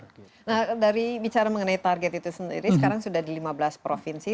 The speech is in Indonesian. nah dari bicara mengenai target itu sendiri sekarang sudah di lima belas provinsi